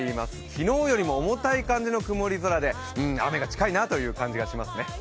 昨日よりも重たい感じの曇り空で雨が近いなという感じがしますね。